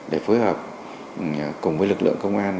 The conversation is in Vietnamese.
để phối hợp cùng với lực lượng công an